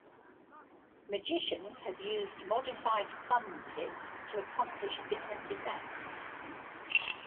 Magicians have used modified thumb tips to accomplish different effects.